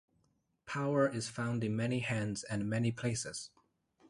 Power is found in many hands and many places.